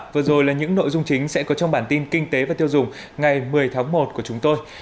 vừa rồi là những nội dung chính sẽ có trong bản tin kinh tế và tiêu dùng ngày một mươi tháng một của chúng tôi